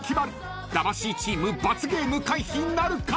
［魂チーム罰ゲーム回避なるか！？］